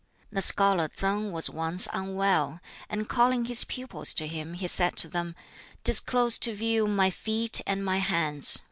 The Scholar Tsang was once unwell, and calling his pupils to him he said to them, "Disclose to view my feet and my hands.